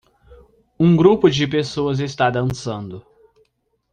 Um grupo de pessoas está dançando.